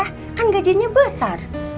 kan gajinya besar